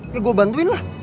ya gue bantuin lah